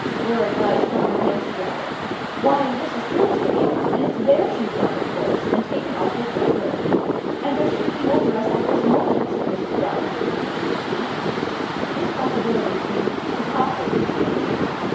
Laura Glyde struck her hands together. "Why, this is Thursday, and it's there she's gone, of course; and taken Osric with her!" "And they're shrieking over us at this moment," said Mrs. Ballinger between her teeth. This possibility seemed too preposterous to be admitted.